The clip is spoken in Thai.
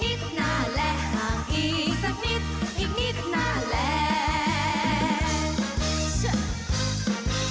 อีกนิดนานและท้อยห่างไปนิด